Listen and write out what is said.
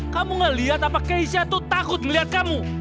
kamu gak lihat apa keisha itu takut melihat kamu